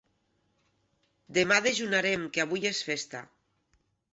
Demà dejunarem, que avui és festa.